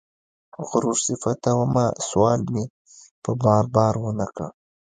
غرور صفته ومه سوال مې په بار، بار ونه کړ